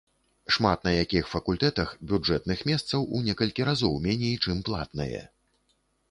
Шмат на якіх факультэтах бюджэтных месцаў у некалькі разоў меней чым платнае.